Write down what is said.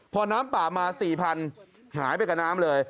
พอน้ำป่ามา๔๐๐หายไปกับน้ำเลย